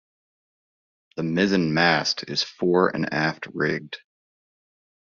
The mizzen mast is fore-and-aft rigged.